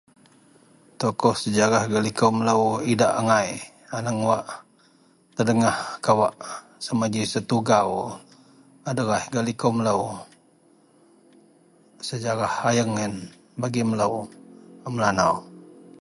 Sejarah wak ga likou melo pun idak angai ji semadi setugau gak likou melo sejarah ayieng terdengah kawa bagi melo a likou melanau.